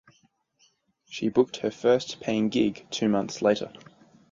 She booked her first paying gig two months later.